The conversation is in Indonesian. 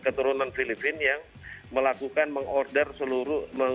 keturunan filipina yang melakukan meng order seluruh